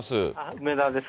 梅田です。